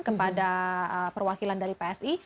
kepada perwakilan dari psi